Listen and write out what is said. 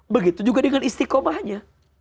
begitu juga dengan istikamahnya